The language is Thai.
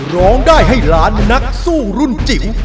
ร้องได้ให้ล้านนักสู้รุ่นจิ๋ว